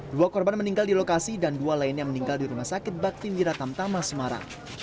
dua korban meninggal di lokasi dan dua lainnya meninggal di rumah sakit bakti wiratam tama semarang